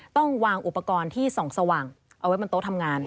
ต้องวางอุปกรณ์ที่ส่องสว่างเอาไว้บนโต๊ะทำงาน